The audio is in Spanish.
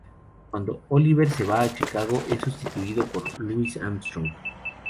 Cuando Oliver se va a Chicago, es sustituido por Louis Armstrong.